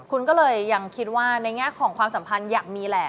คุณก็เลยยังคิดว่าในแง่ของความสัมพันธ์อยากมีแหละ